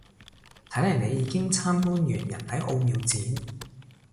睇嚟你已經參觀完人體奧妙展